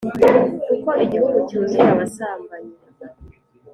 Kuko igihugu cyuzuye abasambanyi